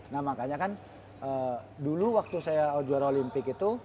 nah makanya kan dulu waktu saya juara olimpik itu